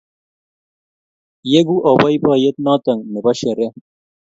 Yegu au boiboiyet notok nebo sherehe